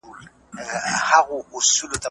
زه اوس د کتابتون پاکوالی کوم،